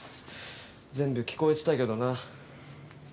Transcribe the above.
全部聞こえてたけどな。